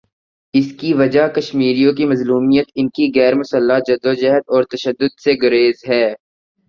اس کی وجہ کشمیریوں کی مظلومیت، ان کی غیر مسلح جد وجہد اور تشدد سے گریز ہے۔